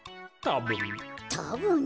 たぶん。